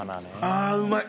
あうまい。